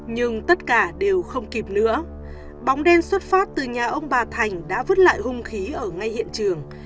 nhưng tất cả đều không kịp nữa bóng đen xuất phát từ nhà ông bà thành đã vứt lại hung khí ở ngay hiện trường